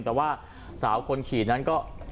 แต่ว่าสาวคนขี่นั้นก็